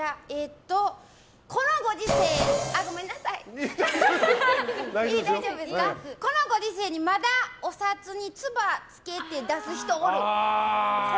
このご時世にまだお札につばつけて出す人おる！